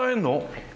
はい。